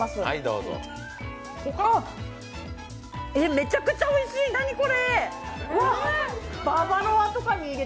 めちゃくちゃおいしい、何これ。